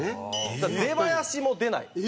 だから出囃子も出ない。